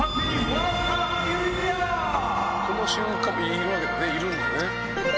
「この瞬間いるわけだねいるんだね」